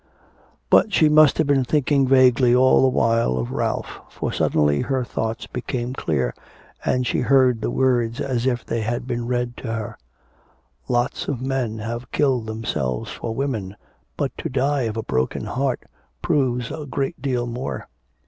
But she must have been thinking vaguely all the while of Ralph, for suddenly her thoughts became clear and she heard the words as if they had been read to her: 'Lots of men have killed themselves for women, but to die of a broken heart proves a great deal more.